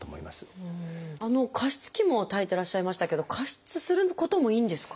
加湿器もたいてらっしゃいましたけど加湿することもいいんですか？